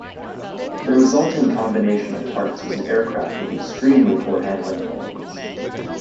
The resulting combination of parts was an aircraft with extremely poor handling qualities.